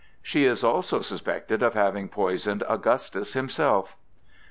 She is also suspected of having poisoned Augustus himself.